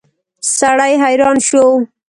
سړی حیران شو.